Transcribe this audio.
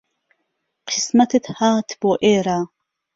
قیسمهتت هات بۆ ئێره